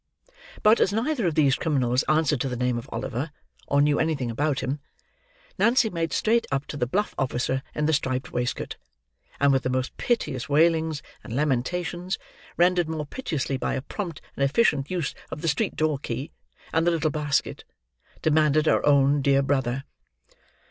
But, as neither of these criminals answered to the name of Oliver, or knew anything about him, Nancy made straight up to the bluff officer in the striped waistcoat; and with the most piteous wailings and lamentations, rendered more piteous by a prompt and efficient use of the street door key and the little basket, demanded her own dear brother.